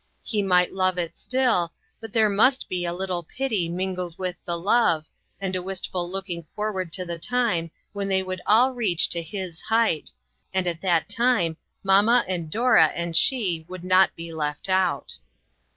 He might love it still, but there must be a little pity mingled with the love, and a wistful looking forward to the time when they would all reach to his height, and at that time, mamma and Dora and she would not be left oat.